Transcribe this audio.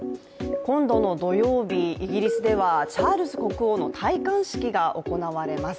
今度の土曜日、イギリスではチャールズ国王の戴冠式が行われます。